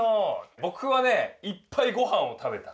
ぼくはねいっぱいごはんを食べた。